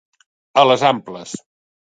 A les amples.